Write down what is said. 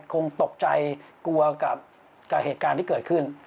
คงตกใจกลัวกับเหตุการณ์ที่เกิดขึ้น